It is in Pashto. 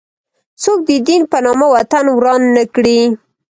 څوک د دین په نامه وطن وران نه کړي.